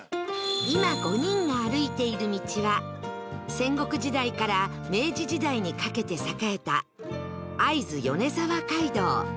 今５人が歩いている道は戦国時代から明治時代にかけて栄えた会津米沢街道